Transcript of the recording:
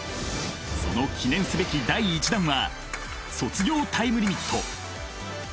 その記念すべき第１弾は「卒業タイムリミット」。